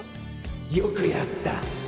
よくやった。